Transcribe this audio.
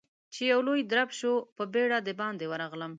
چې يو لوی درب شو، په بيړه د باندې ورغلم.